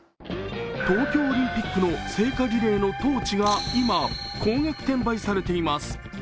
東京オリンピックの聖火リレーのトーチが今、高額転売されています。